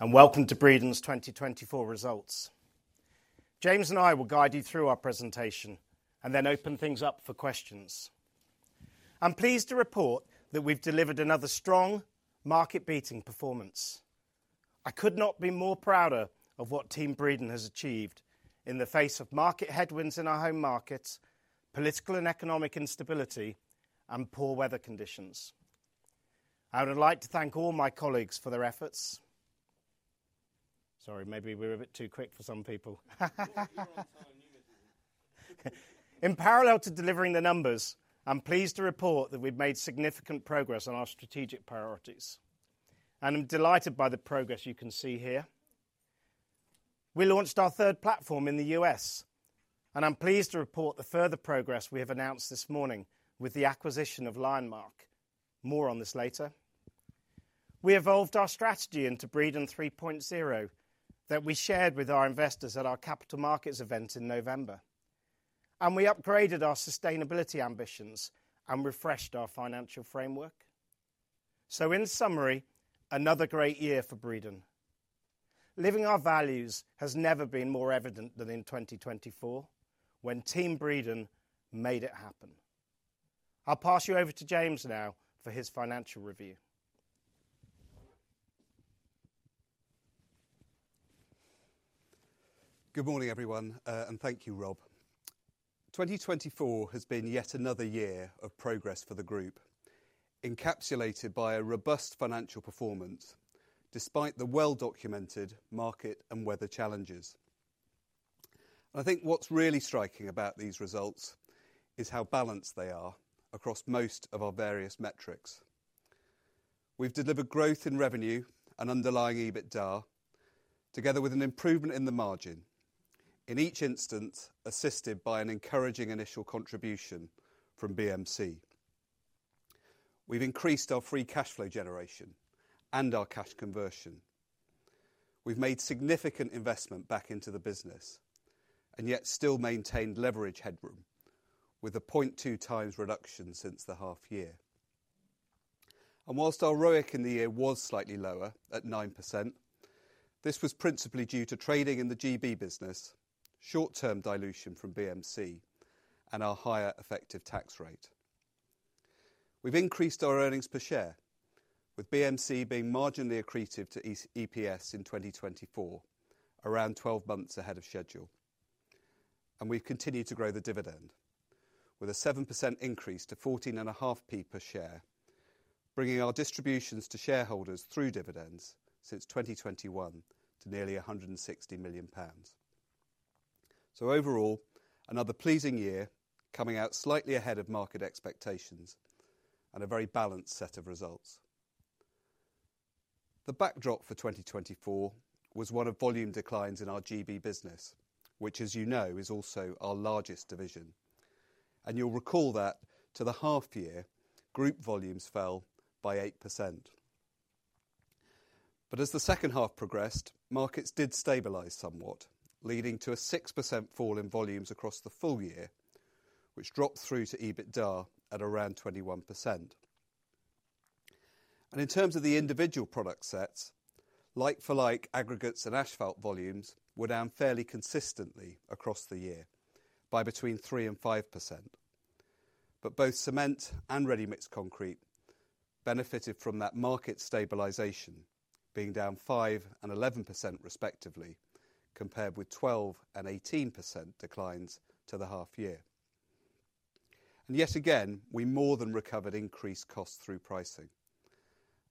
Good morning, everyone, and welcome to Breedon's 2024 results. James and I will guide you through our presentation and then open things up for questions. I'm pleased to report that we've delivered another strong, market-beating performance. I could not be more proud of what Team Breedon has achieved in the face of market headwinds in our home markets, political and economic instability, and poor weather conditions. I would like to thank all my colleagues for their efforts. Sorry, maybe we were a bit too quick for some people. In parallel to delivering the numbers, I'm pleased to report that we've made significant progress on our strategic priorities, and I'm delighted by the progress you can see here. We launched our third platform in the U.S., and I'm pleased to report the further progress we have announced this morning with the acquisition of Lionmark. More on this later. We evolved our strategy into Breedon 3.0 that we shared with our investors at our capital markets event in November, and we upgraded our sustainability ambitions and refreshed our financial framework. In summary, another great year for Breedon. Living our values has never been more evident than in 2024 when Team Breedon made it happen. I'll pass you over to James now for his financial review. Good morning, everyone, and thank you, Rob. 2024 has been yet another year of progress for the group, encapsulated by a robust financial performance despite the well-documented market and weather challenges. I think what's really striking about these results is how balanced they are across most of our various metrics. We've delivered growth in revenue and underlying EBITDA, together with an improvement in the margin, in each instance assisted by an encouraging initial contribution from BMC. We've increased our free cash flow generation and our cash conversion. We've made significant investment back into the business and yet still maintained leverage headroom with a 0.2 times reduction since the half year. Whilst our ROIC in the year was slightly lower at 9%, this was principally due to trading in the G.B. business, short-term dilution from BMC, and our higher effective tax rate. We've increased our earnings per share, with BMC being marginally accretive to EPS in 2024, around 12 months ahead of schedule. We have continued to grow the dividend with a 7% increase to 0.0145 per share, bringing our distributions to shareholders through dividends since 2021 to nearly 160 million pounds. Overall, another pleasing year coming out slightly ahead of market expectations and a very balanced set of results. The backdrop for 2024 was one of volume declines in our G.B. business, which, as you know, is also our largest division. You'll recall that to the half year, group volumes fell by 8%. As the second half progressed, markets did stabilize somewhat, leading to a 6% fall in volumes across the full year, which dropped through to EBITDA at around 21%. In terms of the individual product sets, like-for-like aggregates and asphalt volumes were down fairly consistently across the year by between 3% and 5%. Both cement and ready-mix concrete benefited from that market stabilization, being down 5% and 11% respectively, compared with 12% and 18% declines to the half year. Yet again, we more than recovered increased costs through pricing.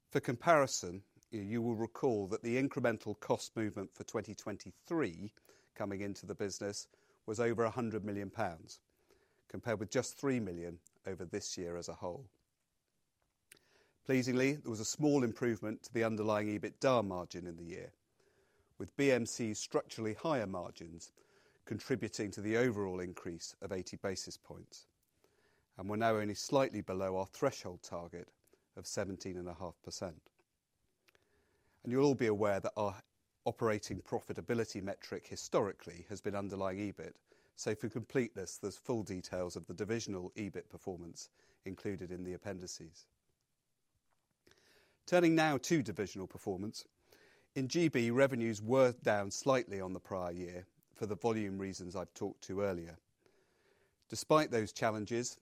For comparison, you will recall that the incremental cost movement for 2023 coming into the business was over 100 million pounds, compared with just 3 million over this year as a whole. Pleasingly, there was a small improvement to the underlying EBITDA margin in the year, with BMC's structurally higher margins contributing to the overall increase of 80 basis points. We are now only slightly below our threshold target of 17.5%. You will all be aware that our operating profitability metric historically has been underlying EBIT. For completeness, there are full details of the divisional EBIT performance included in the appendices. Turning now to divisional performance, in G.B., revenues were down slightly on the prior year for the volume reasons I have talked to earlier. Despite those challenges,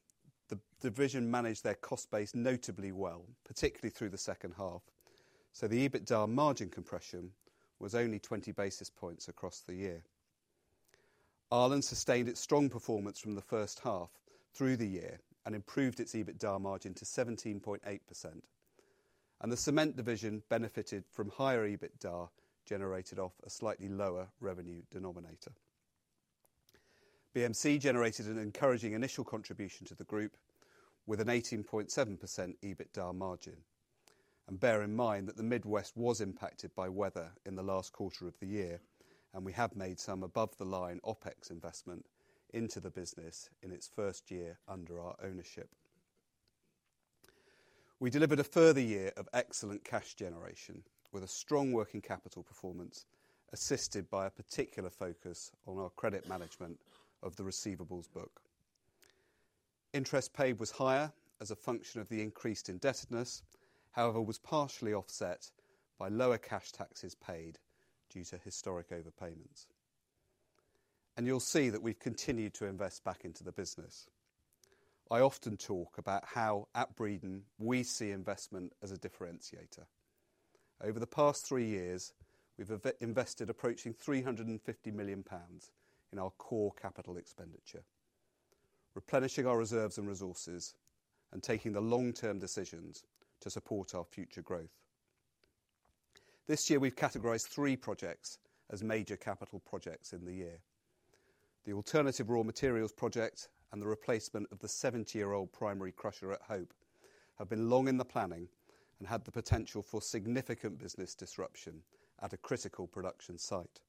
the division managed their cost base notably well, particularly through the second half. The EBITDA margin compression was only 20 basis points across the year. Ireland sustained its strong performance from the first half through the year and improved its EBITDA margin to 17.8%. The cement division benefited from higher EBITDA generated off a slightly lower revenue denominator. BMC generated an encouraging initial contribution to the group with an 18.7% EBITDA margin. Bear in mind that the Midwest was impacted by weather in the last quarter of the year, and we have made some above-the-line OPEX investment into the business in its first year under our ownership. We delivered a further year of excellent cash generation with a strong working capital performance assisted by a particular focus on our credit management of the receivables book. Interest paid was higher as a function of the increased indebtedness, however, was partially offset by lower cash taxes paid due to historic overpayments. You will see that we have continued to invest back into the business. I often talk about how at Breedon we see investment as a differentiator. Over the past three years, we have invested approaching 350 million pounds in our core capital expenditure, replenishing our reserves and resources, and taking the long-term decisions to support our future growth. This year, we've categorized three projects as major capital projects in the year. The alternative raw materials project and the replacement of the 70-year-old primary crusher at Hope have been long in the planning and had the potential for significant business disruption at a critical production site.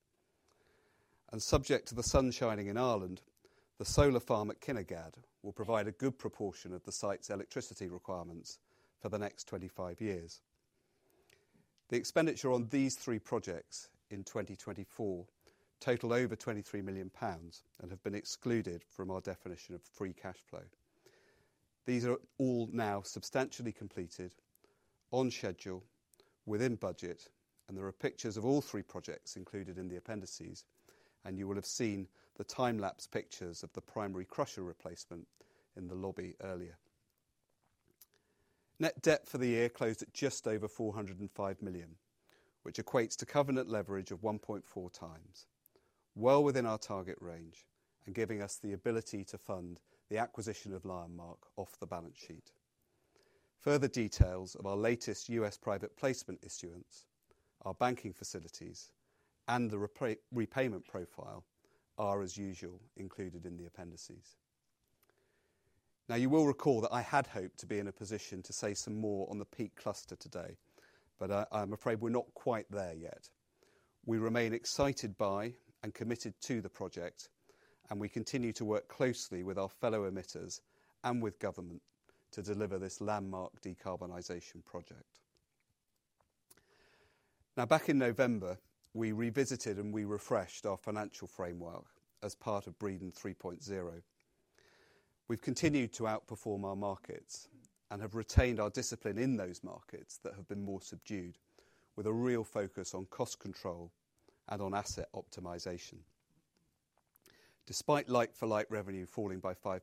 Subject to the sun shining in Ireland, the solar farm at Kinnegad will provide a good proportion of the site's electricity requirements for the next 25 years. The expenditure on these three projects in 2024 totaled over 23 million pounds and have been excluded from our definition of free cash flow. These are all now substantially completed, on schedule, within budget, and there are pictures of all three projects included in the appendices, and you will have seen the time-lapse pictures of the primary crusher replacement in the lobby earlier. Net debt for the year closed at just over 405 million, which equates to covenant leverage of 1.4 times, well within our target range and giving us the ability to fund the acquisition of Lionmark off the balance sheet. Further details of our latest U.S. private placement issuance, our banking facilities, and the repayment profile are, as usual, included in the appendices. Now, you will recall that I had hoped to be in a position to say some more on the Peak Cluster today, but I'm afraid we're not quite there yet. We remain excited by and committed to the project, and we continue to work closely with our fellow emitters and with government to deliver this landmark decarbonization project. Now, back in November, we revisited and we refreshed our financial framework as part of Breedon 3.0. We've continued to outperform our markets and have retained our discipline in those markets that have been more subdued, with a real focus on cost control and on asset optimization. Despite like-for-like revenue falling by 5%,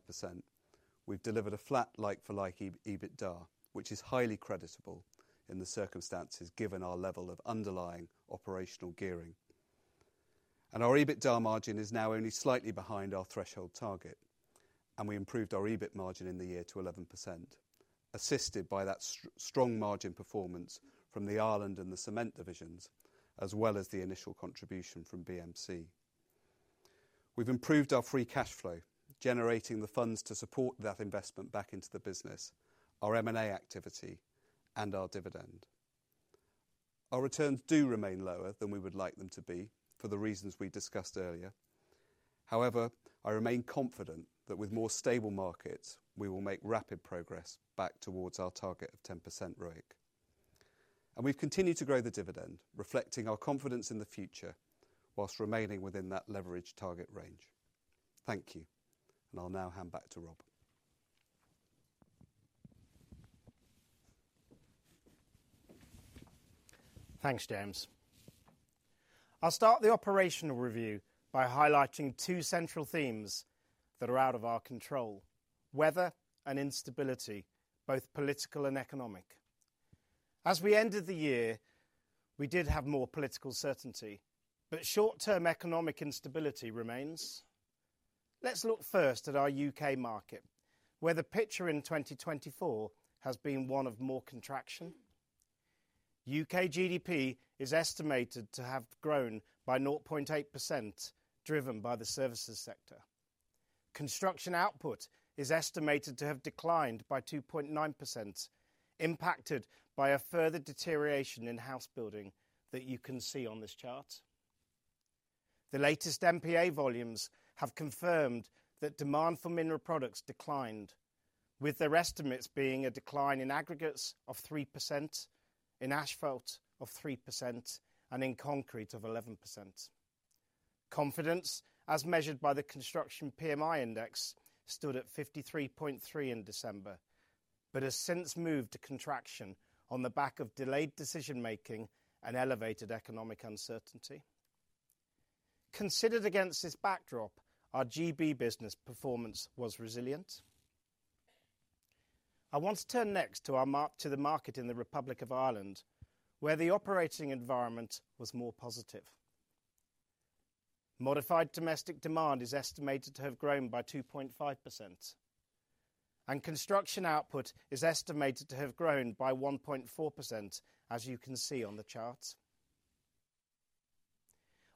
we've delivered a flat like-for-like EBITDA, which is highly creditable in the circumstances given our level of underlying operational gearing. Our EBITDA margin is now only slightly behind our threshold target, and we improved our EBIT margin in the year to 11%, assisted by that strong margin performance from the Ireland and the cement divisions, as well as the initial contribution from BMC. We've improved our free cash flow, generating the funds to support that investment back into the business, our M&A activity, and our dividend. Our returns do remain lower than we would like them to be for the reasons we discussed earlier. However, I remain confident that with more stable markets, we will make rapid progress back towards our target of 10% ROIC. We have continued to grow the dividend, reflecting our confidence in the future whilst remaining within that leverage target range. Thank you, and I'll now hand back to Rob. Thanks, James. I'll start the operational review by highlighting two central themes that are out of our control: weather and instability, both political and economic. As we ended the year, we did have more political certainty, but short-term economic instability remains. Let's look first at our U.K. market, where the picture in 2024 has been one of more contraction. U.K. GDP is estimated to have grown by 0.8%, driven by the services sector. Construction output is estimated to have declined by 2.9%, impacted by a further deterioration in house building that you can see on this chart. The latest MPA volumes have confirmed that demand for mineral products declined, with their estimates being a decline in aggregates of 3%, in asphalt of 3%, and in concrete of 11%. Confidence, as measured by the construction PMI index, stood at 53.3% in December but has since moved to contraction on the back of delayed decision-making and elevated economic uncertainty. Considered against this backdrop, our G.B. business performance was resilient. I want to turn next to the market in the Republic of Ireland, where the operating environment was more positive. Modified domestic demand is estimated to have grown by 2.5%, and construction output is estimated to have grown by 1.4%, as you can see on the chart.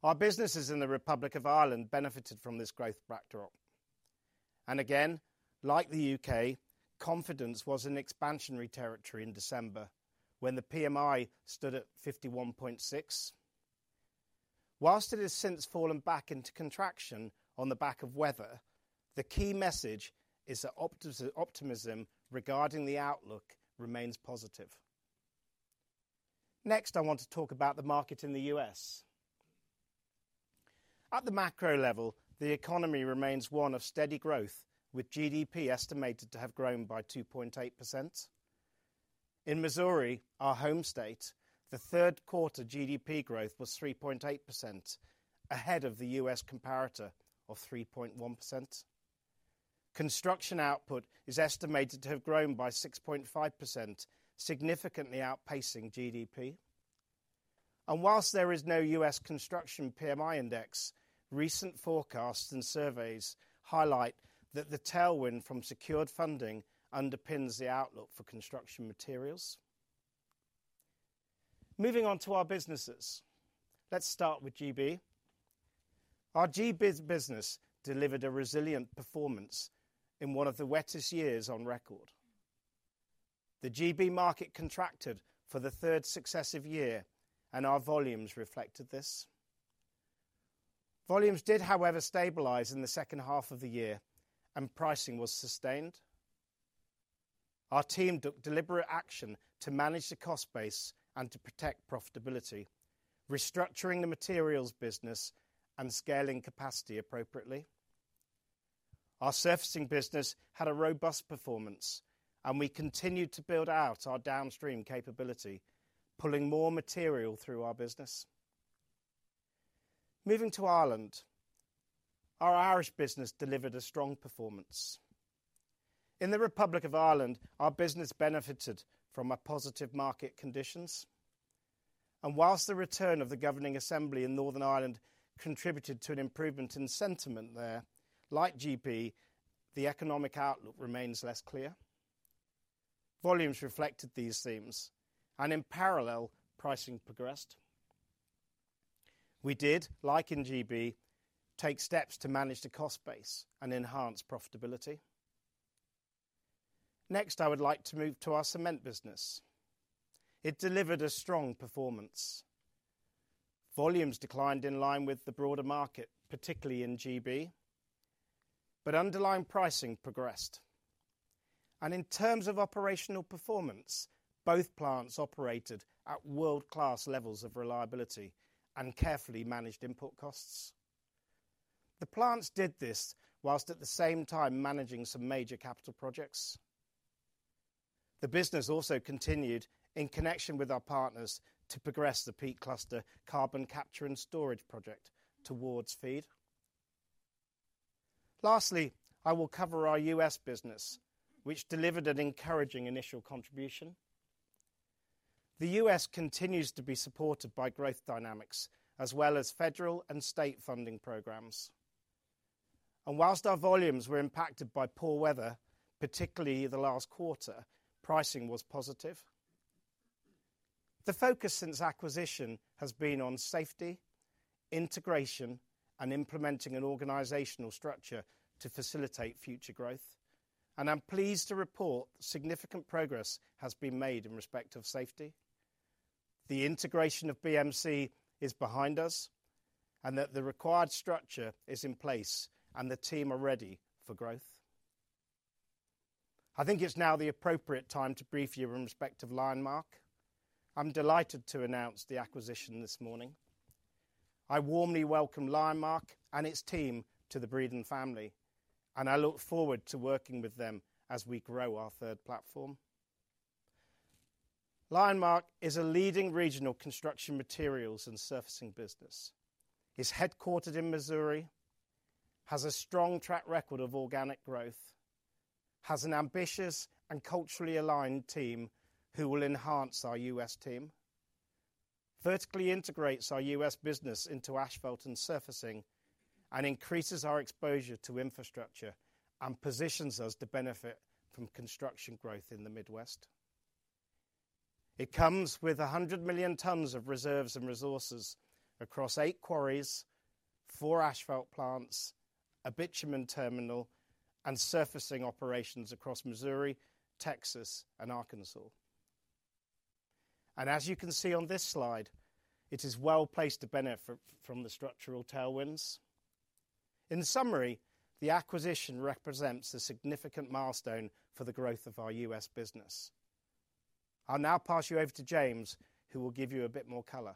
Our businesses in the Republic of Ireland benefited from this growth backdrop. Like the U.K., confidence was in expansionary territory in December when the PMI stood at 51.6%. Whilst it has since fallen back into contraction on the back of weather, the key message is that optimism regarding the outlook remains positive. Next, I want to talk about the market in the U.S. At the macro level, the economy remains one of steady growth, with GDP estimated to have grown by 2.8%. In Missouri, our home state, the third quarter GDP growth was 3.8%, ahead of the U.S. comparator of 3.1%. Construction output is estimated to have grown by 6.5%, significantly outpacing GDP. Whilst there is no U.S. construction PMI index, recent forecasts and surveys highlight that the tailwind from secured funding underpins the outlook for construction materials. Moving on to our businesses, let's start with G.B. Our G.B. business delivered a resilient performance in one of the wettest years on record. The G.B. market contracted for the third successive year, and our volumes reflected this. Volumes did, however, stabilize in the second half of the year, and pricing was sustained. Our team took deliberate action to manage the cost base and to protect profitability, restructuring the materials business and scaling capacity appropriately. Our surfacing business had a robust performance, and we continued to build out our downstream capability, pulling more material through our business. Moving to Ireland, our Irish business delivered a strong performance. In the Republic of Ireland, our business benefited from positive market conditions. Whilst the return of the governing assembly in Northern Ireland contributed to an improvement in sentiment there, like G.B., the economic outlook remains less clear. Volumes reflected these themes, and in parallel, pricing progressed. We did, like in G.B., take steps to manage the cost base and enhance profitability. Next, I would like to move to our cement business. It delivered a strong performance. Volumes declined in line with the broader market, particularly in G.B., but underlying pricing progressed. In terms of operational performance, both plants operated at world-class levels of reliability and carefully managed input costs. The plants did this whilst at the same time managing some major capital projects. The business also continued in connection with our partners to progress the Peak Cluster carbon capture and storage project towards FEED. Lastly, I will cover our U.S. business, which delivered an encouraging initial contribution. The U.S. continues to be supported by growth dynamics as well as federal and state funding programs. Whilst our volumes were impacted by poor weather, particularly the last quarter, pricing was positive. The focus since acquisition has been on safety, integration, and implementing an organizational structure to facilitate future growth. I am pleased to report significant progress has been made in respect of safety. The integration of BMC is behind us and that the required structure is in place and the team are ready for growth. I think it's now the appropriate time to brief you in respect of Lionmark. I'm delighted to announce the acquisition this morning. I warmly welcome Lionmark and its team to the Breedon family, and I look forward to working with them as we grow our third platform. Lionmark is a leading regional construction materials and surfacing business, is headquartered in Missouri, has a strong track record of organic growth, has an ambitious and culturally aligned team who will enhance our U.S. team, vertically integrates our U.S. business into asphalt and surfacing, and increases our exposure to infrastructure and positions us to benefit from construction growth in the Midwest. It comes with 100 million tons of reserves and resources across eight quarries, four asphalt plants, a bitumen terminal, and surfacing operations across Missouri, Texas, and Arkansas. As you can see on this slide, it is well placed to benefit from the structural tailwinds. In summary, the acquisition represents a significant milestone for the growth of our U.S business. I'll now pass you over to James, who will give you a bit more color.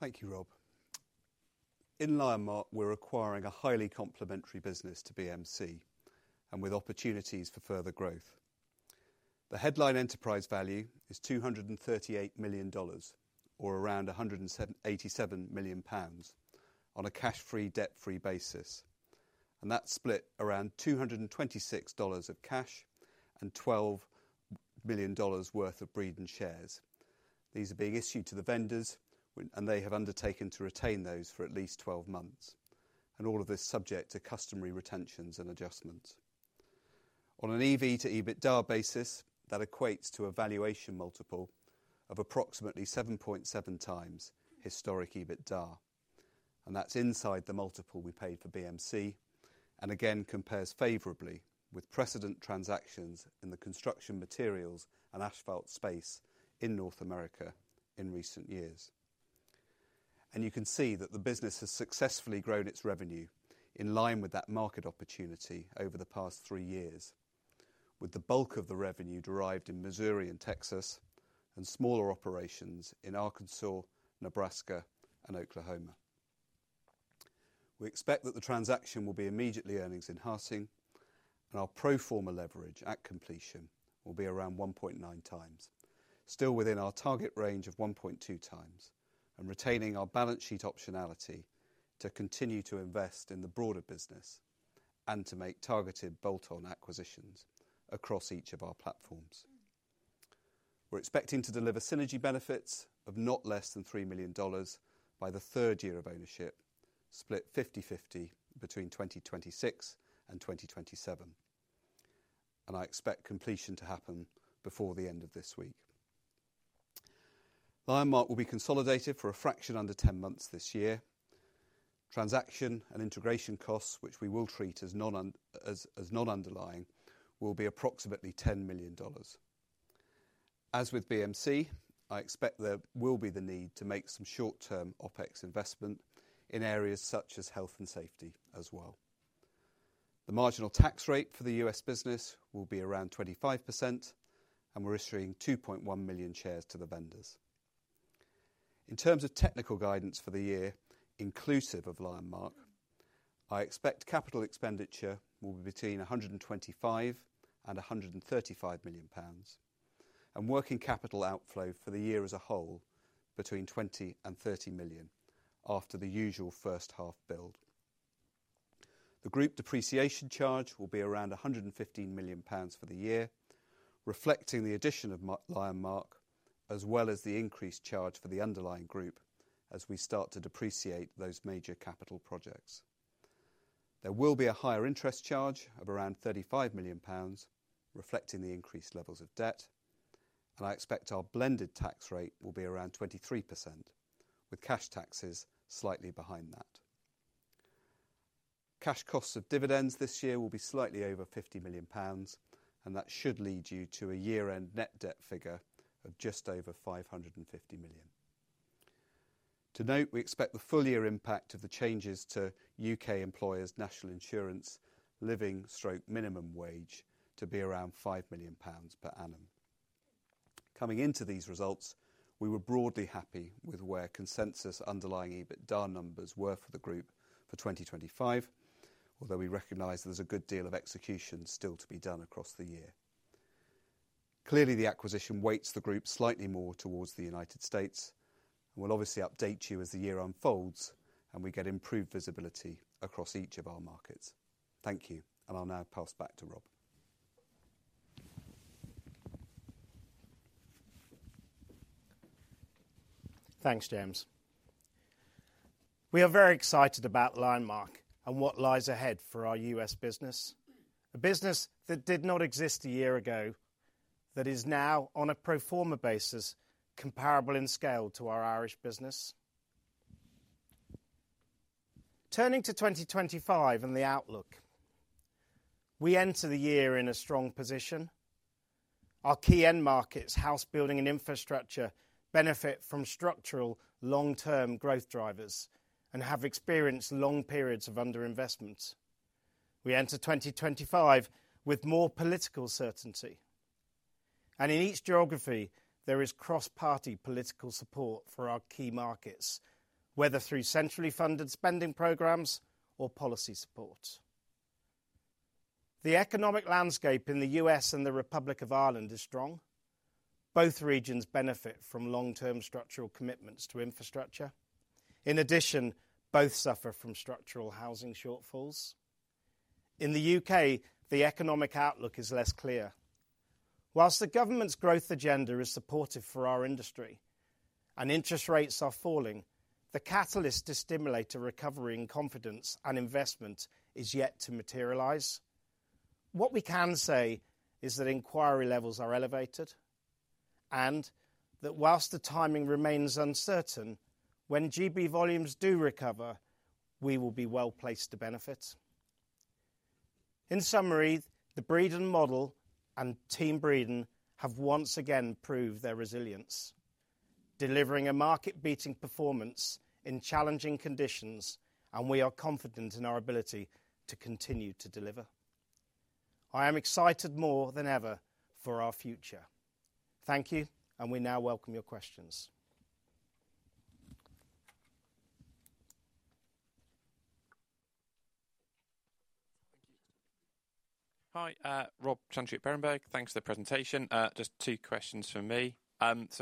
Thank you, Rob. In Lionmark, we're acquiring a highly complementary business to BMC and with opportunities for further growth. The headline enterprise value is $238 million, or around 187 million pounds, on a cash-free, debt-free basis. That's split around $226 million of cash and $12 million worth of Breedon shares. These are being issued to the vendors, and they have undertaken to retain those for at least 12 months. All of this is subject to customary retentions and adjustments. On an EV to EBITDA basis, that equates to a valuation multiple of approximately 7.7 times historic EBITDA. That's inside the multiple we paid for BMC and again compares favorably with precedent transactions in the construction materials and asphalt space in North America in recent years. You can see that the business has successfully grown its revenue in line with that market opportunity over the past three years, with the bulk of the revenue derived in Missouri and Texas and smaller operations in Arkansas, Nebraska, and Oklahoma. We expect that the transaction will be immediately earnings-enhancing, and our pro forma leverage at completion will be around 1.9 times, still within our target range of 1.2 times, and retaining our balance sheet optionality to continue to invest in the broader business and to make targeted bolt-on acquisitions across each of our platforms. We are expecting to deliver synergy benefits of not less than $3 million by the third year of ownership, split 50/50 between 2026 and 2027. I expect completion to happen before the end of this week. Lionmark will be consolidated for a fraction under 10 months this year. Transaction and integration costs, which we will treat as non-underlying, will be approximately $10 million. As with BMC, I expect there will be the need to make some short-term OPEX investment in areas such as health and safety as well. The marginal tax rate for the U.S business will be around 25%, and we're issuing 2.1 million shares to the vendors. In terms of technical guidance for the year, inclusive of Lionmark, I expect capital expenditure will be between 125 million-135 million pounds, and working capital outflow for the year as a whole between 20 million-30 million after the usual first half build. The group depreciation charge will be around 115 million pounds for the year, reflecting the addition of Lionmark as well as the increased charge for the underlying group as we start to depreciate those major capital projects. There will be a higher interest charge of around 35 million pounds, reflecting the increased levels of debt. I expect our blended tax rate will be around 23%, with cash taxes slightly behind that. Cash costs of dividends this year will be slightly over 50 million pounds, and that should lead you to a year-end net debt figure of just over 550 million. To note, we expect the full year impact of the changes to U.K. employers' National Insurance Living/Minimum Wage to be around 5 million pounds per annum. Coming into these results, we were broadly happy with where consensus underlying EBITDA numbers were for the group for 2025, although we recognize there's a good deal of execution still to be done across the year. Clearly, the acquisition weights the group slightly more towards the United States. We will obviously update you as the year unfolds and we get improved visibility across each of our markets. Thank you, and I'll now pass back to Rob. Thanks, James. We are very excited about Lionmark and what lies ahead for our U.S. business, a business that did not exist a year ago that is now, on a pro forma basis, comparable in scale to our Irish business. Turning to 2025 and the outlook, we enter the year in a strong position. Our key end markets, housebuilding and infrastructure, benefit from structural long-term growth drivers and have experienced long periods of underinvestment. We enter 2025 with more political certainty. In each geography, there is cross-party political support for our key markets, whether through centrally funded spending programs or policy support. The economic landscape in the U.S and the Republic of Ireland is strong. Both regions benefit from long-term structural commitments to infrastructure. In addition, both suffer from structural housing shortfalls. In the U.K., the economic outlook is less clear. Whilst the government's growth agenda is supportive for our industry and interest rates are falling, the catalyst to stimulate a recovery in confidence and investment is yet to materialize. What we can say is that inquiry levels are elevated and that whilst the timing remains uncertain, when G.B. volumes do recover, we will be well placed to benefit. In summary, the Breedon model and Team Breedon have once again proved their resilience, delivering a market-beating performance in challenging conditions, and we are confident in our ability to continue to deliver. I am excited more than ever for our future. Thank you, and we now welcome your questions. Hi, Rob Chantry of Berenberg. Thanks for the presentation. Just two questions for me.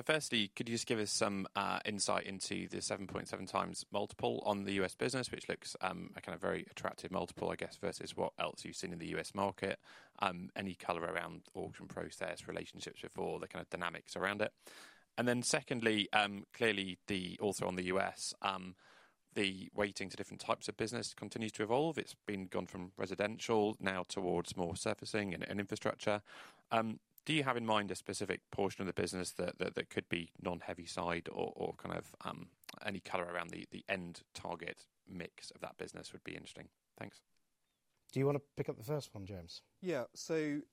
Firstly, could you just give us some insight into the 7.7 times multiple on the U.S. business, which looks a kind of very attractive multiple, I guess, versus what else you've seen in the U.S. market? Any color around auction process, relationships before, the kind of dynamics around it? Secondly, clearly, also on the U.S., the weighting to different types of business continues to evolve. It's been gone from residential now towards more surfacing and infrastructure. Do you have in mind a specific portion of the business that could be non-heavy side or any color around the end target mix of that business would be interesting? Thanks. Do you want to pick up the first one, James? Yeah.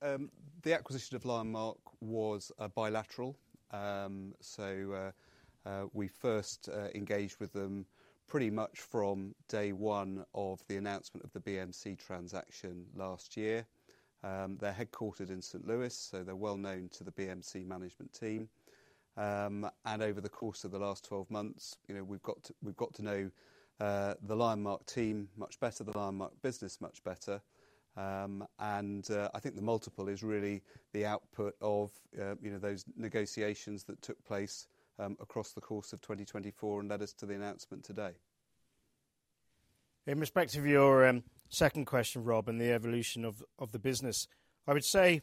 The acquisition of Lionmark was bilateral. We first engaged with them pretty much from day one of the announcement of the BMC transaction last year. They are headquartered in St. Louis, so they are well known to the BMC management team. Over the course of the last 12 months, we have got to know the Lionmark team much better, the Lionmark business much better. I think the multiple is really the output of those negotiations that took place across the course of 2024 and led us to the announcement today. In respect of your second question, Rob, and the evolution of the business, I would say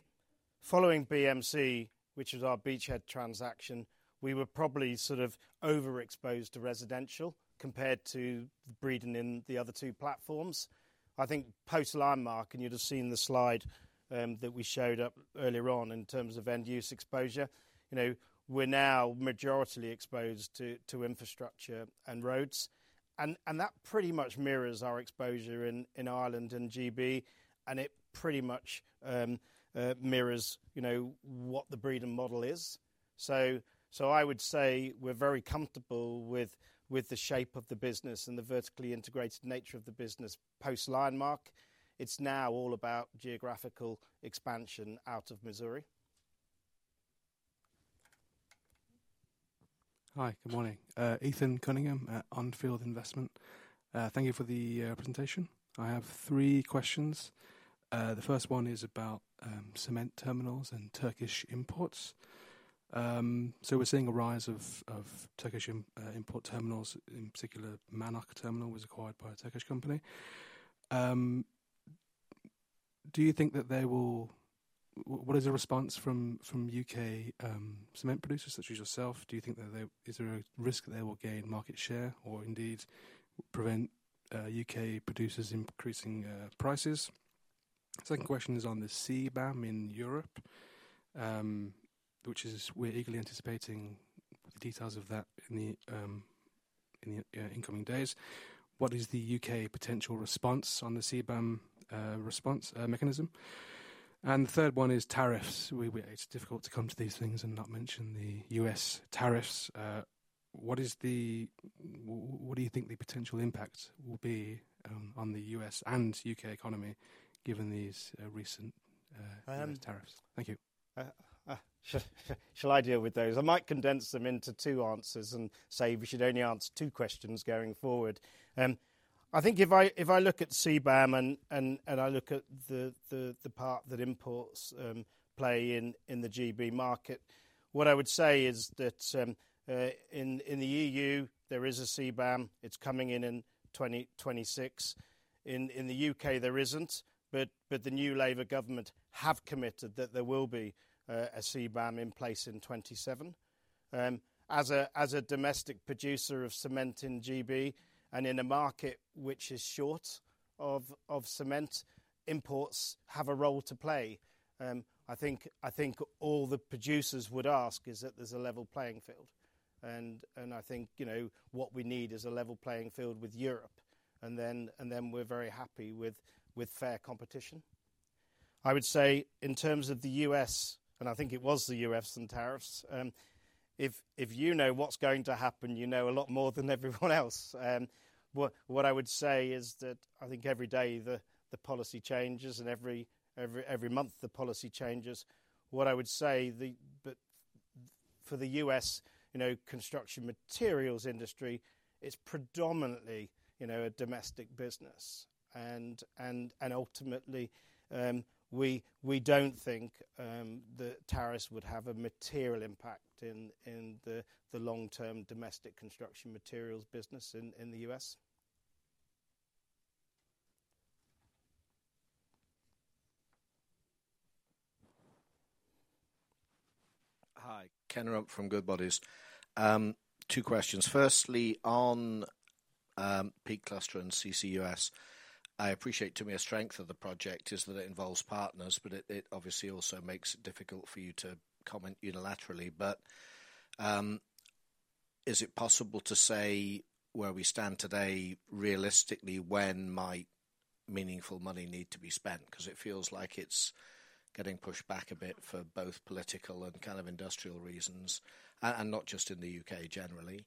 following BMC, which was our beachhead transaction, we were probably sort of overexposed to residential compared to Breedon and the other two platforms. I think post-Lionmark, and you would have seen the slide that we showed up earlier on in terms of end-use exposure, we are now majority exposed to infrastructure and roads. That pretty much mirrors our exposure in Ireland and G.B., and it pretty much mirrors what the Breedon model is. I would say we are very comfortable with the shape of the business and the vertically integrated nature of the business post-Lionmark. It is now all about geographical expansion out of Missouri. Hi, good morning. Ethan Cunningham at On Field Investment Research. Thank you for the presentation. I have three questions. The first one is about cement terminals and Turkish imports. We are seeing a rise of Turkish import terminals. In particular, Mannok terminal was acquired by a Turkish company. Do you think that they will—what is the response from U.K. cement producers such as yourself? Do you think that there is a risk they will gain market share or indeed prevent U.K. producers increasing prices? Second question is on the CBAM in Europe, which is—we are eagerly anticipating the details of that in the incoming days. What is the U.K. potential response on the CBAM response mechanism? The third one is tariffs. It is difficult to come to these things and not mention the U.S. tariffs. What do you think the potential impact will be on the U.S. and U.K. economy given these recent tariffs? Thank you. Shall I deal with those? I might condense them into two answers and say we should only answer two questions going forward. I think if I look at CBAM and I look at the part that imports play in the G.B. market, what I would say is that in the EU, there is a CBAM. It's coming in in 2026. In the U.K., there isn't, but the new Labour government have committed that there will be a CBAM in place in 2027. As a domestic producer of cement in G.B. and in a market which is short of cement, imports have a role to play. I think all the producers would ask is that there's a level playing field. I think what we need is a level playing field with Europe. We are very happy with fair competition. I would say in terms of the U.S., and I think it was the U.S. and tariffs, if you know what's going to happen, you know a lot more than everyone else. What I would say is that I think every day the policy changes and every month the policy changes. What I would say for the U.S. construction materials industry, it's predominantly a domestic business. Ultimately, we don't think the tariffs would have a material impact in the long-term domestic construction materials business in the U.S. Hi, Ken Rumph from Goodbody. Two questions. Firstly, on Peak Cluster and CCUS, I appreciate to me a strength of the project is that it involves partners, but it obviously also makes it difficult for you to comment unilaterally. Is it possible to say where we stand today realistically when might meaningful money need to be spent? It feels like it's getting pushed back a bit for both political and industrial reasons, and not just in the U.K. generally.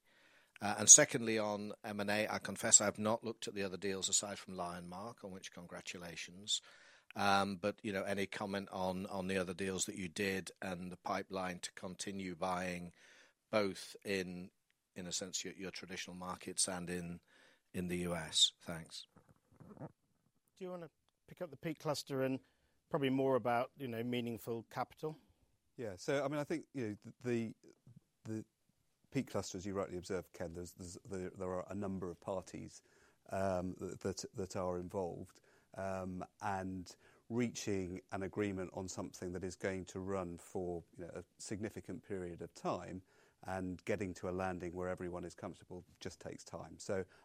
Secondly, on M&A, I confess I've not looked at the other deals aside from Lionmark, on which congratulations. Any comment on the other deals that you did and the pipeline to continue buying both in, in a sense, your traditional markets and in the U.S.? Thanks. Do you want to pick up the Peak Cluster and probably more about meaningful capital? I think the Peak Cluster, as you rightly observe, Ken, there are a number of parties that are involved. Reaching an agreement on something that is going to run for a significant period of time and getting to a landing where everyone is comfortable just takes time.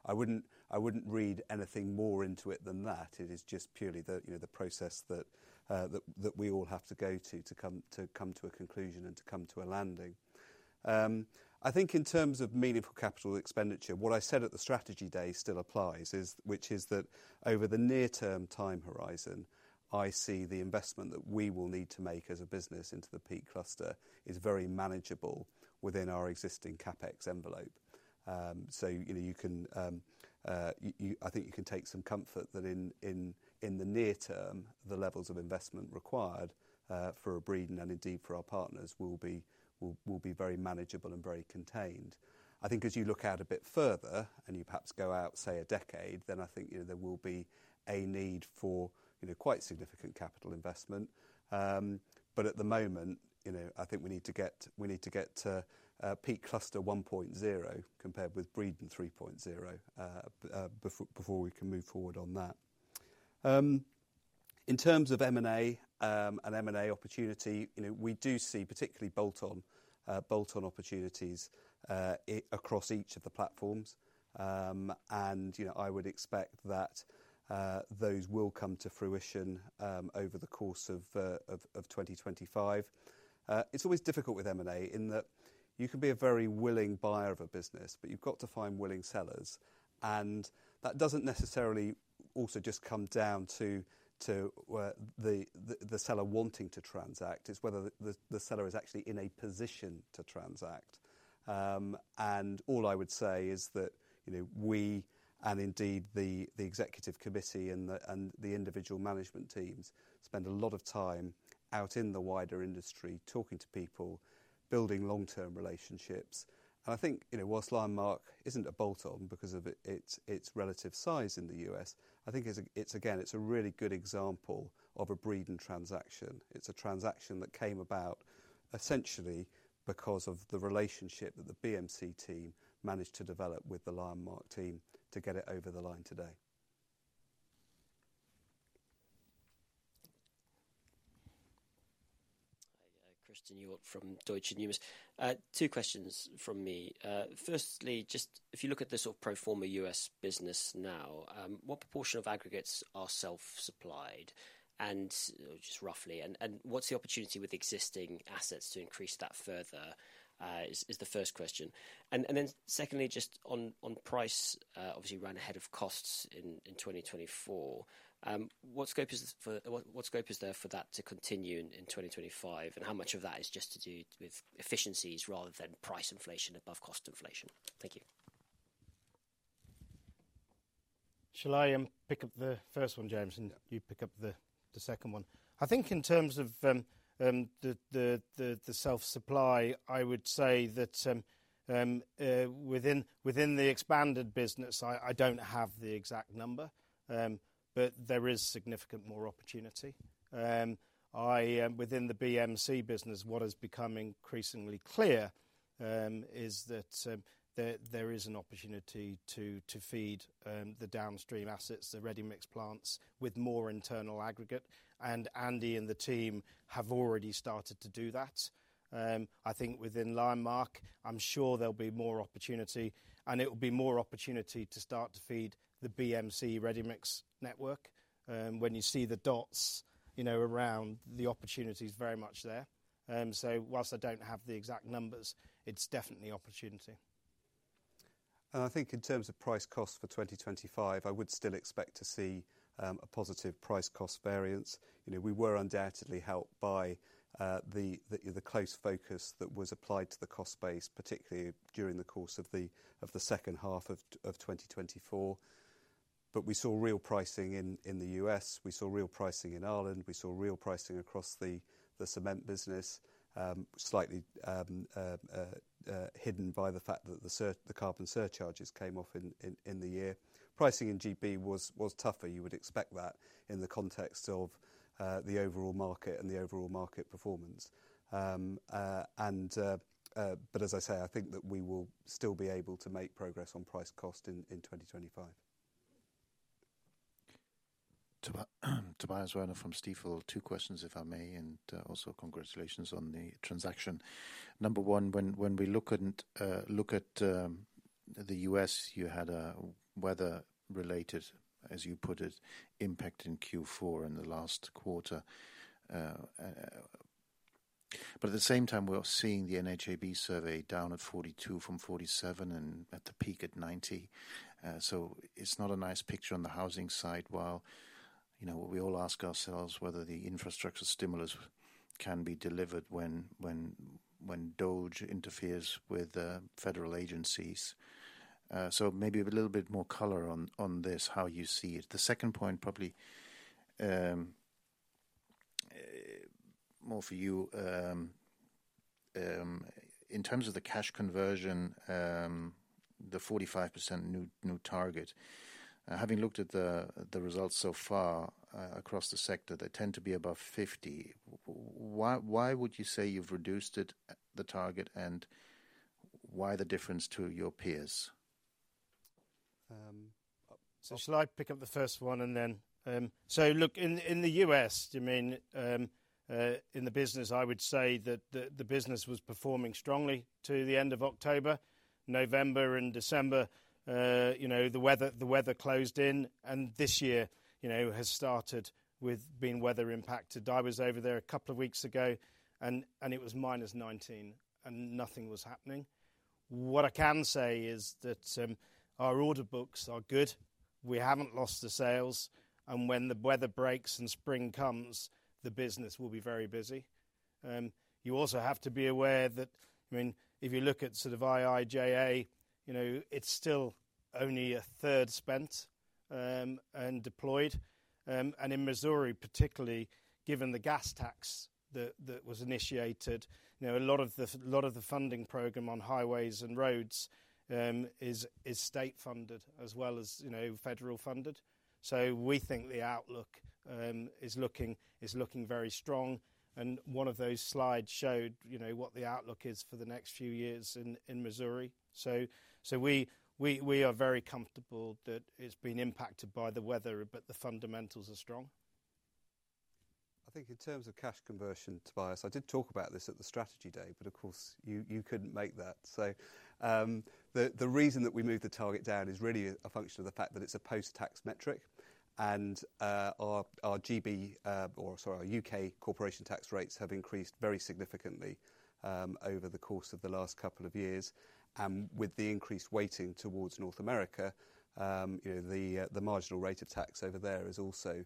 I would not read anything more into it than that. It is just purely the process that we all have to go to to come to a conclusion and to come to a landing. I think in terms of meaningful capital expenditure, what I said at the strategy day still applies, which is that over the near-term time horizon, I see the investment that we will need to make as a business into the Peak Cluster is very manageable within our existing CapEx envelope. I think you can take some comfort that in the near term, the levels of investment required for Breedon and indeed for our partners will be very manageable and very contained. I think as you look out a bit further and you perhaps go out, say, a decade, then I think there will be a need for quite significant capital investment. At the moment, I think we need to get to Peak Cluster 1.0 compared with Breedon 3.0 before we can move forward on that. In terms of M&A and M&A opportunity, we do see particularly bolt-on opportunities across each of the platforms. I would expect that those will come to fruition over the course of 2025. It's always difficult with M&A in that you can be a very willing buyer of a business, but you've got to find willing sellers. That does not necessarily also just come down to the seller wanting to transact. It is whether the seller is actually in a position to transact. All I would say is that we, and indeed the Executive Committee and the individual management teams, spend a lot of time out in the wider industry talking to people, building long-term relationships. I think whilst Lionmark is not a bolt-on because of its relative size in the US, I think it is, again, a really good example of a Breedon transaction. It is a transaction that came about essentially because of the relationship that the BMC team managed to develop with the Lionmark team to get it over the line today. Christen Hjorth from Deutsche Numis. Two questions from me. Firstly, just if you look at the sort of pro forma U.S. business now, what proportion of aggregates are self-supplied? Just roughly, and what's the opportunity with existing assets to increase that further is the first question. Secondly, just on price, obviously we ran ahead of costs in 2024. What scope is there for that to continue in 2025? How much of that is just to do with efficiencies rather than price inflation above cost inflation? Thank you. Shall I pick up the first one, James, and you pick up the second one? I think in terms of the self-supply, I would say that within the expanded business, I do not have the exact number, but there is significant more opportunity. Within the BMC business, what has become increasingly clear is that there is an opportunity to FEED the downstream assets, the ready-mixed plants with more internal aggregate. Andy and the team have already started to do that. I think within Lionmark, I am sure there will be more opportunity. It will be more opportunity to start to FEED the BMC ready-mixed network. When you see the dots around, the opportunity is very much there. Whilst I do not have the exact numbers, it is definitely opportunity. I think in terms of price cost for 2025, I would still expect to see a positive price cost variance. We were undoubtedly helped by the close focus that was applied to the cost base, particularly during the course of the second half of 2024. We saw real pricing in the US. We saw real pricing in Ireland. We saw real pricing across the cement business, slightly hidden by the fact that the carbon surcharges came off in the year. Pricing in G.B. was tougher. You would expect that in the context of the overall market and the overall market performance. As I say, I think that we will still be able to make progress on price cost in 2025. Tobias Woerner from Stifel. Two questions, if I may, and also congratulations on the transaction. Number one, when we look at the US, you had a weather-related, as you put it, impact in Q4 in the last quarter. At the same time, we're seeing the NAHB survey down at 42 from 47 and at the peak at 90. It is not a nice picture on the housing side, while we all ask ourselves whether the infrastructure stimulus can be delivered when DOGE interferes with federal agencies. Maybe a little bit more color on this, how you see it. The second point, probably more for you, in terms of the cash conversion, the 45% new target, having looked at the results so far across the sector, they tend to be above 50%. Why would you say you've reduced the target and why the difference to your peers? Shall I pick up the first one and then? Look, in the U.S., in the business, I would say that the business was performing strongly to the end of October, November, and December. The weather closed in, and this year has started with being weather impacted. I was over there a couple of weeks ago, and it was -19 degrees Celsius, and nothing was happening. What I can say is that our order books are good. We have not lost the sales. When the weather breaks and spring comes, the business will be very busy. You also have to be aware that if you look at sort of IIJA, it is still only a third spent and deployed. In Missouri, particularly, given the gas tax that was initiated, a lot of the funding program on highways and roads is state-funded as well as federal-funded. We think the outlook is looking very strong. One of those slides showed what the outlook is for the next few years in Missouri. We are very comfortable that it's been impacted by the weather, but the fundamentals are strong. I think in terms of cash conversion, Tobias, I did talk about this at the Strategy Day, but of course, you could not make that. The reason that we moved the target down is really a function of the fact that it is a post-tax metric. Our U.K. Corporation Tax Rates have increased very significantly over the course of the last couple of years. With the increased weighting towards North America, the marginal rate of tax over there is also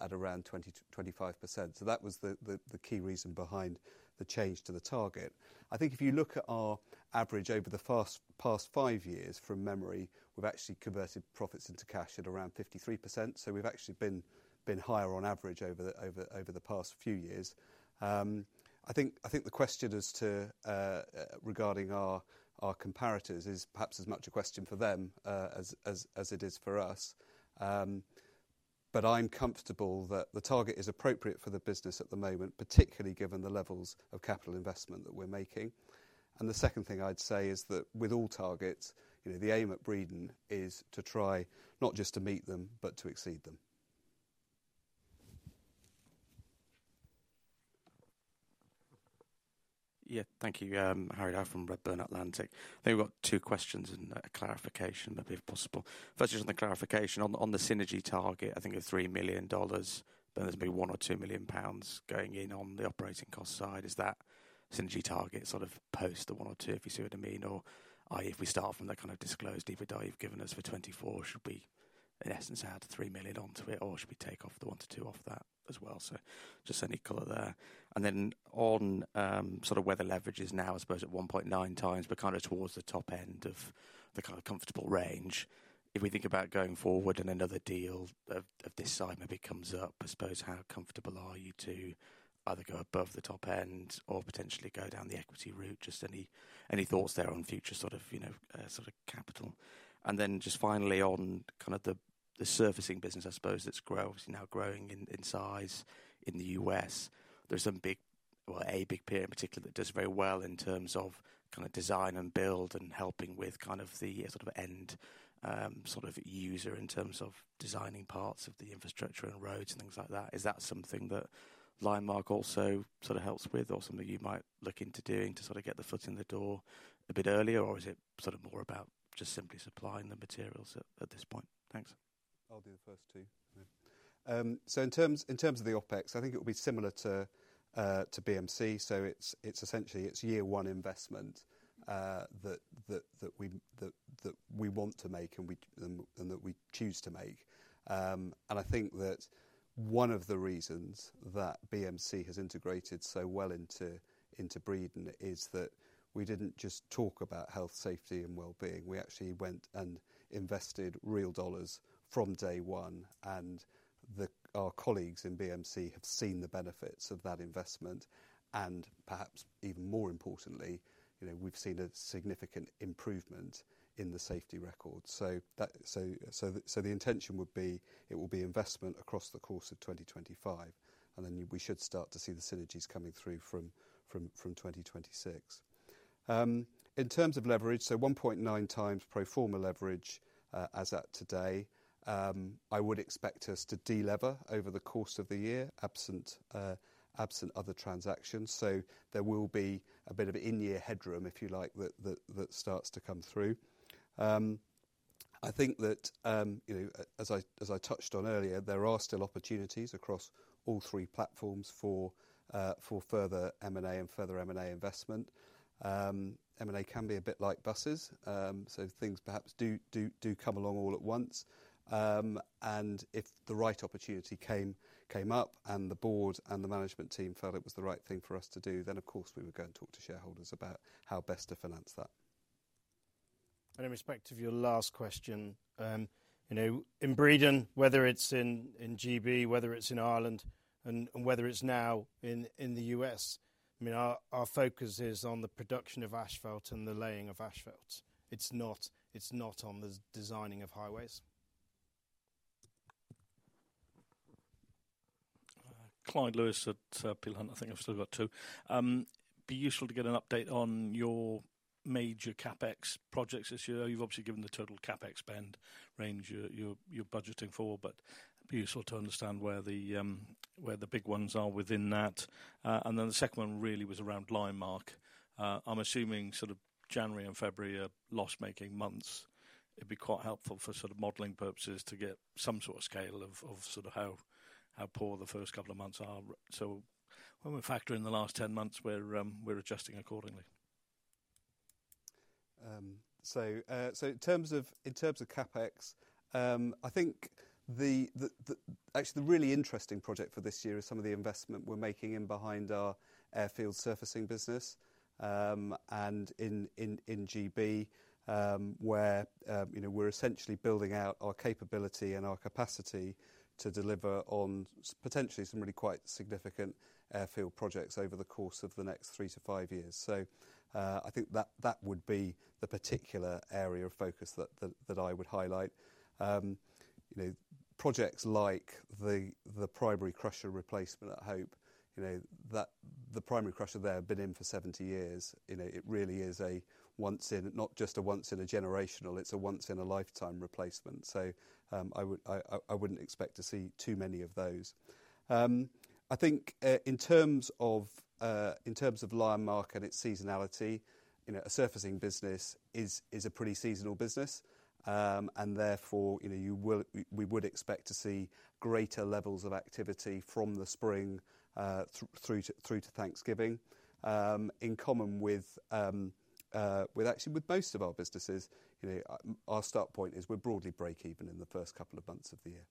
at around 20%-25%. That was the key reason behind the change to the target. I think if you look at our average over the past five years, from memory, we have actually converted profits into cash at around 53%. We have actually been higher on average over the past few years. I think the question regarding our comparators is perhaps as much a question for them as it is for us. I'm comfortable that the target is appropriate for the business at the moment, particularly given the levels of capital investment that we're making. The second thing I'd say is that with all targets, the aim at Breedon is to try not just to meet them, but to exceed them. Thank you. I'm Harry Dow from Redburn Atlantic. I think we've got two questions and a clarification, but if possible. Firstly, just on the clarification, on the synergy target, I think of $3 million, but there's maybe one or two million pounds going in on the operating cost side. Is that synergy target sort of post the one or two, if you see what I mean? If we start from the kind of disclosed EBITDA you've given us for 2024, should we in essence add $3 million onto it, or should we take off the one to two off that as well? Just any color there. On sort of where the leverage is now, I suppose at 1.9 times, but kind of towards the top end of the kind of comfortable range. If we think about going forward and another deal of this size maybe comes up, I suppose how comfortable are you to either go above the top end or potentially go down the equity route? Just any thoughts there on future sort of capital. Then just finally on kind of the surfacing business, I suppose, that's now growing in size in the US, there's some big, well, a big peer in particular that does very well in terms of kind of design and build and helping with kind of the sort of end sort of user in terms of designing parts of the infrastructure and roads and things like that. Is that something that Lionmark also sort of helps with, or something you might look into doing to sort of get the foot in the door a bit earlier, or is it sort of more about just simply supplying the materials at this point? Thanks. I'll do the first two. In terms of the OpEx, I think it will be similar to BMC. It's essentially its year one investment that we want to make and that we choose to make. I think that one of the reasons that BMC has integrated so well into Breedon is that we didn't just talk about health, safety, and well-being. We actually went and invested real dollars from day one. Our colleagues in BMC have seen the benefits of that investment. Perhaps even more importantly, we've seen a significant improvement in the safety record. The intention would be, it will be investment across the course of 2025. We should start to see the synergies coming through from 2026. In terms of leverage, 1.9 times pro forma leverage as at today, I would expect us to deleverage over the course of the year, absent other transactions. There will be a bit of in-year headroom, if you like, that starts to come through. I think that, as I touched on earlier, there are still opportunities across all three platforms for further M&A and further M&A investment. M&A can be a bit like buses. Things perhaps do come along all at once. If the right opportunity came up and the board and the management team felt it was the right thing for us to do, then of course we would go and talk to shareholders about how best to finance that. In respect of your last question, in Breedon, whether it's in G.B., whether it's in Ireland, and whether it's now in the U.S., our focus is on the production of asphalt and the laying of asphalt. It's not on the designing of highways. Clyde Lewis at Peel Hunt, I think I've still got two. Be useful to get an update on your major CapEx projects this year. You've obviously given the total CapEx spend range you're budgeting for, but be useful to understand where the big ones are within that. The second one really was around Lionmark. I'm assuming January and February are loss-making months. It'd be quite helpful for modeling purposes to get some scale of how poor the first couple of months are. So when we factor in the last 10 months, we're adjusting accordingly. In terms of CapEx, I think actually the really interesting project for this year is some of the investment we're making behind our airfield surfacing business in G.B., where we're essentially building out our capability and our capacity to deliver on potentially some really quite significant airfield projects over the course of the next three to five years. I think that would be the particular area of focus that I would highlight. Projects like the primary crusher replacement at Hope, the primary crusher there has been in for 70 years. It really is not just a once-in-a-generational, it's a once-in-a-lifetime replacement. I wouldn't expect to see too many of those. I think in terms of Lionmark and its seasonality, a surfacing business is a pretty seasonal business. Therefore, we would expect to see greater levels of activity from the spring through to Thanksgiving. In common with actually most of our businesses, our start point is we're broadly break-even in the first couple of months of the year.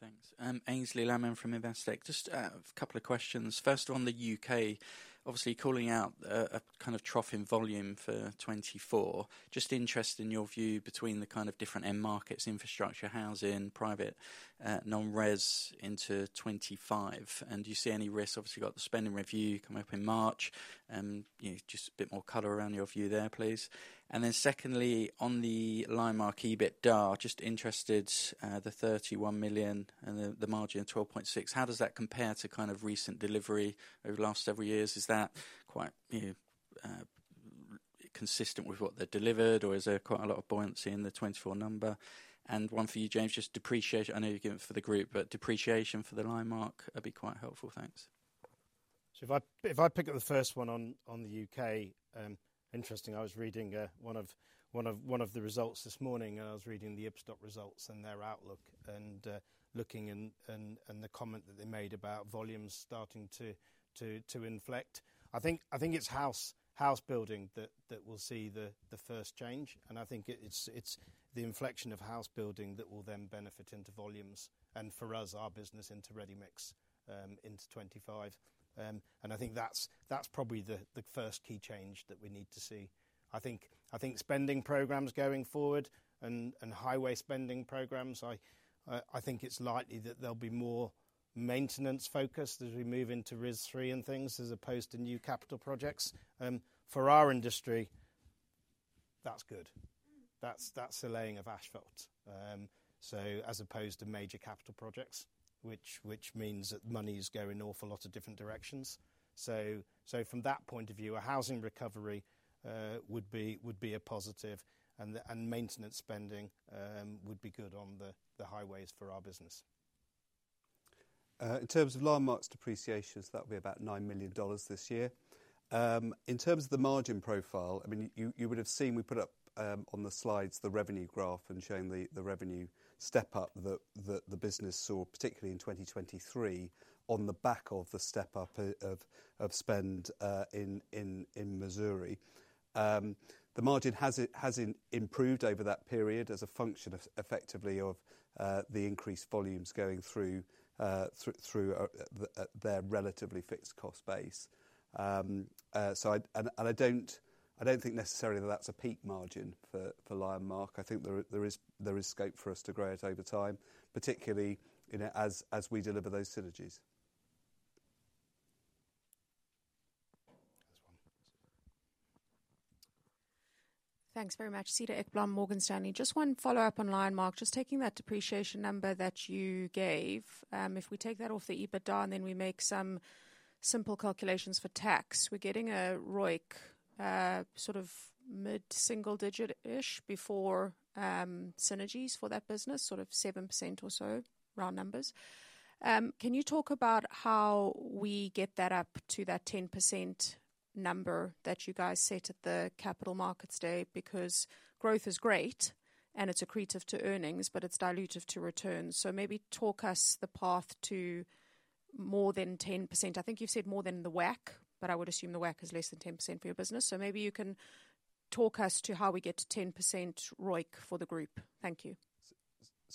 Thanks. Aynsley Lammin from Investec. Just a couple of questions. First on the U.K., obviously calling out a kind of trough in volume for 2024. Just interested in your view between the kind of different end markets, infrastructure, housing, private, non-res into 2025. Do you see any risk? Obviously, you've got the spending review coming up in March. Just a bit more color around your view there, please. Secondly, on the Lionmark EBITDA, just interested, the $31 million and the margin of 12.6%, how does that compare to kind of recent delivery over the last several years? Is that quite consistent with what they've delivered, or is there quite a lot of buoyancy in the 2024 number? One for you, James, just depreciation, I know you're giving it for the group, but depreciation for the Lionmark would be quite helpful. Thanks. If I pick up the first one on the U.K., interesting, I was reading one of the results this morning, and I was reading the Ibstock results and their outlook and looking in and the comment that they made about volumes starting to inflect. I think it's house building that will see the first change. I think it's the inflection of house building that will then benefit into volumes and for us, our business into ready-mix into 2025. I think that's probably the first key change that we need to see. I think spending programs going forward and highway spending programs, I think it's likely that there'll be more maintenance focus as we move into RIS3 and things as opposed to new capital projects. For our industry, that's good. That's a laying of asphalt. As opposed to major capital projects, which means that money is going an awful lot of different directions. From that point of view, a housing recovery would be a positive, and maintenance spending would be good on the highways for our business. In terms of Lionmark's depreciation, that would be about $9 million this year. In terms of the margin profile, I mean, you would have seen we put up on the slides the revenue graph and showing the revenue step-up that the business saw, particularly in 2023, on the back of the step-up of spend in Missouri. The margin has improved over that period as a function effectively of the increased volumes going through their relatively fixed cost base. I don't think necessarily that that's a peak margin for Lionmark. I think there is scope for us to grow it over time, particularly as we deliver those synergies. Thanks very much. Cedar Ekblom, Morgan Stanley. Just one follow-up on Lionmark. Just taking that depreciation number that you gave, if we take that off the EBITDA and then we make some simple calculations for tax, we're getting a ROIC sort of mid-single digit-ish before synergies for that business, sort of 7% or so, round numbers. Can you talk about how we get that up to that 10% number that you guys set at the Capital Markets Day? Because growth is great and it's accretive to earnings, but it's dilutive to returns. Maybe talk us the path to more than 10%. I think you've said more than the WACC, but I would assume the WACC is less than 10% for your business. Maybe you can talk us to how we get to 10% ROIC for the group. Thank you.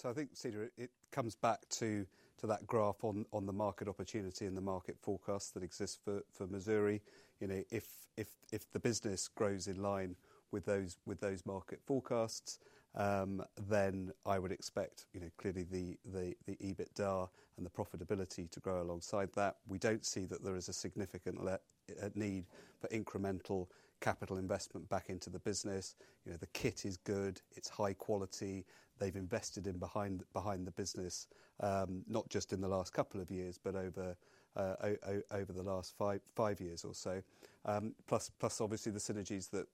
I think, Cedar, it comes back to that graph on the market opportunity and the market forecast that exists for Missouri. If the business grows in line with those market forecasts, then I would expect clearly the EBITDA and the profitability to grow alongside that. We do not see that there is a significant need for incremental capital investment back into the business. The kit is good. It is high quality. They have invested in behind the business, not just in the last couple of years, but over the last five years or so. Plus, obviously, the synergies that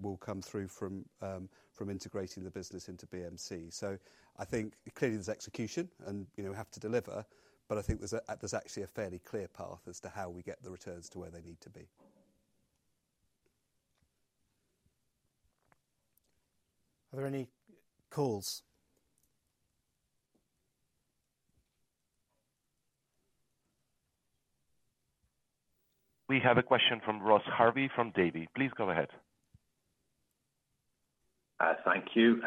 will come through from integrating the business into BMC. I think clearly there is execution and we have to deliver, but I think there is actually a fairly clear path as to how we get the returns to where they need to be. Are there any calls? We have a question from Ross Harvey from Davy. Please go ahead. Thank you.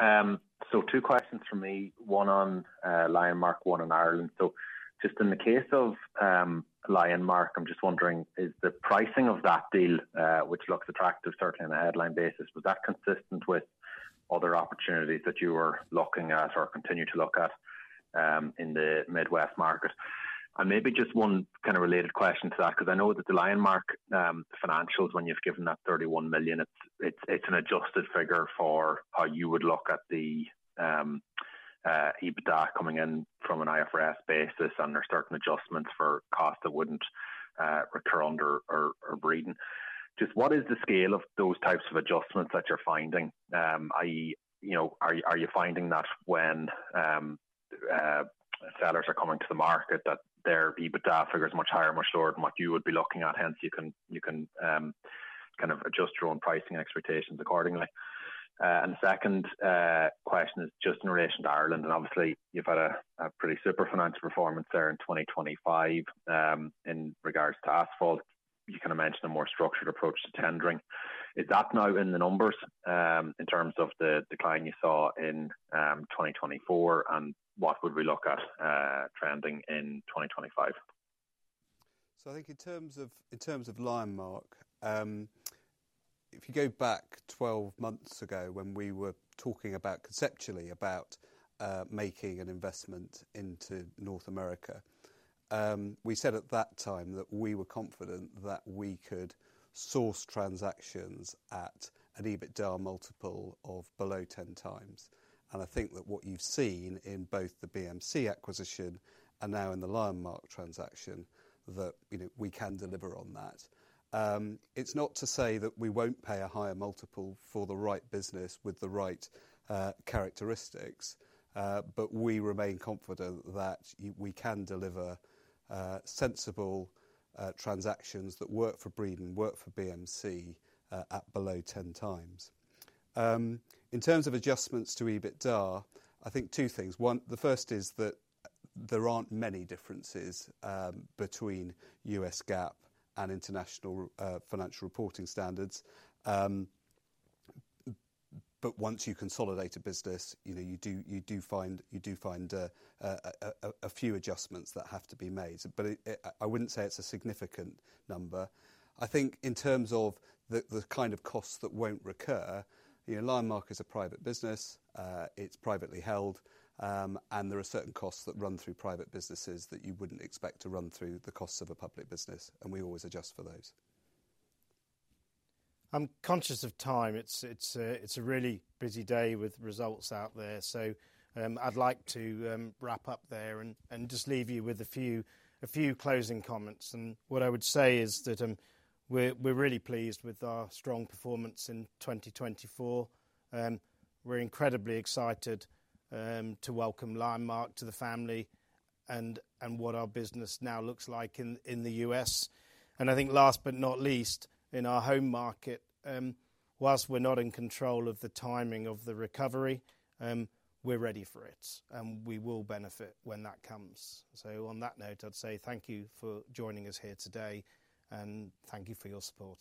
Two questions for me. One on Lionmark, one on Ireland. In the case of Lionmark, I'm just wondering, is the pricing of that deal, which looks attractive, certainly on a headline basis, was that consistent with other opportunities that you were looking at or continue to look at in the Midwest market? Maybe just one kind of related question to that, because I know that the Lionmark financials, when you've given that $31 million, it's an adjusted figure for how you would look at the EBITDA coming in from an IFRS basis under certain adjustments for costs that would not recur under Breedon. What is the scale of those types of adjustments that you're finding? Are you finding that when sellers are coming to the market, that their EBITDA figure is much higher, much lower than what you would be looking at? Hence, you can kind of adjust your own pricing expectations accordingly. The second question is just in relation to Ireland. Obviously, you've had a pretty super financial performance there in 2025 in regards to asphalt. You kind of mentioned a more structured approach to tendering. Is that now in the numbers in terms of the decline you saw in 2024? What would we look at trending in 2025? I think in terms of Lionmark, if you go back 12 months ago when we were talking conceptually about making an investment into North America, we said at that time that we were confident that we could source transactions at an EBITDA multiple of below 10 times. I think that what you've seen in both the BMC acquisition and now in the Lionmark transaction, that we can deliver on that. It's not to say that we won't pay a higher multiple for the right business with the right characteristics, but we remain confident that we can deliver sensible transactions that work for Breedon, work for BMC at below 10 times. In terms of adjustments to EBITDA, I think two things. The first is that there aren't many differences between U.S. GAAP and International Financial Reporting Standards. Once you consolidate a business, you do find a few adjustments that have to be made. I wouldn't say it's a significant number. I think in terms of the kind of costs that won't recur, Lionmark is a private business. It's privately held. There are certain costs that run through private businesses that you wouldn't expect to run through the costs of a public business. We always adjust for those. I'm conscious of time. It is a really busy day with results out there. I would like to wrap up there and just leave you with a few closing comments. What I would say is that we are really pleased with our strong performance in 2024. We are incredibly excited to welcome Lionmark to the family and what our business now looks like in the US. I think last but not least, in our home market, whilst we are not in control of the timing of the recovery, we are ready for it. We will benefit when that comes. On that note, I would say thank you for joining us here today. Thank you for your support.